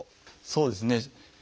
そうですね